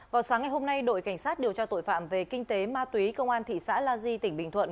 vào sáng ngày hôm nay đội cảnh sát điều tra tội phạm về kinh tế ma túy công an thị xã la di tỉnh bình thuận